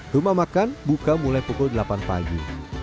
rumah makan buka mulai pukul delapan pagi